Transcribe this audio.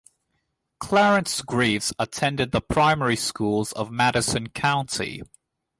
Clarence Greaves attended the primary schools of Madison County.